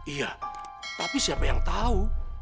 iya tapi siapa yang tahu